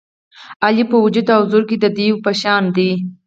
علي په وجود او زور کې د دېو په شان دی.